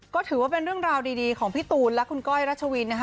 ก็ถือว่าเป็นเรื่องราวดีของพี่ตูนและคุณก้อยรัชวินนะคะ